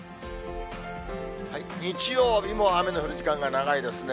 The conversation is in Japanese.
日曜日も雨の降る時間が長いですね。